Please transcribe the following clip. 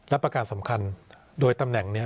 และประการสำคัญโดยตำแหน่งนี้